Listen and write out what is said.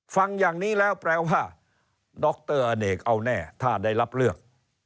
ฟังอย่างนี้แล้วแปลว่าดรอเนกเอาแน่ถ้าได้รับเลือก